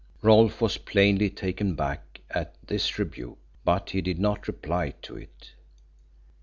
Rolfe was plainly taken back at this rebuke, but he did not reply to it.